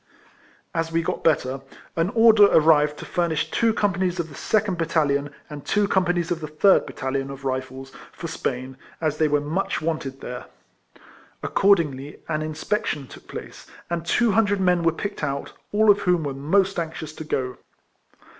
As we got better, an order arrived to furnish two companies of the second bat talion, and two companies of the third bat talion, of Rifles, for Spain, as they were much wanted there. Accordingly an in spection took place, and two hundred men were picked out, all of whom were most anxious to go.